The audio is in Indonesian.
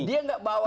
dia nggak bawa fakta